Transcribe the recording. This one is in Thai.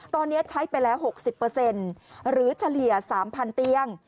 ตอนนี้ใช้ไปแล้ว๖๐หรือเฉลี่ย๓๐๐เตียง